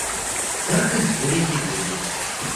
– Как изволите видеть.